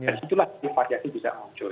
tentulah variasi bisa muncul